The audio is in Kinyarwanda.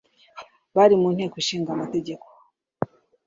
bari mu Nteko Ishinga Amategeko,